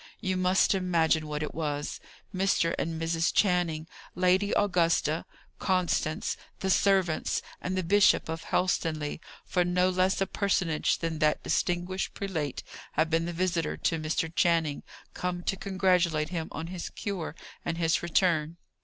You must imagine what it was. Mr. and Mrs. Channing, Lady Augusta, Constance, the servants, and the Bishop of Helstonleigh: for no less a personage than that distinguished prelate had been the visitor to Mr. Channing, come to congratulate him on his cure and his return.